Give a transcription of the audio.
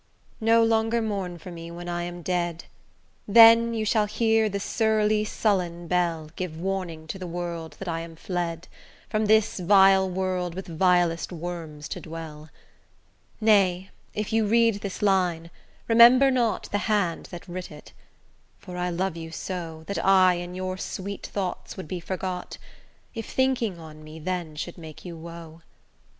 LXXI No longer mourn for me when I am dead Than you shall hear the surly sullen bell Give warning to the world that I am fled From this vile world with vilest worms to dwell: Nay, if you read this line, remember not The hand that writ it, for I love you so, That I in your sweet thoughts would be forgot, If thinking on me then should make you woe.